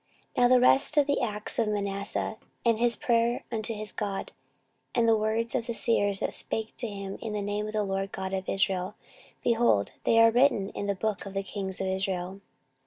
14:033:018 Now the rest of the acts of Manasseh, and his prayer unto his God, and the words of the seers that spake to him in the name of the LORD God of Israel, behold, they are written in the book of the kings of Israel.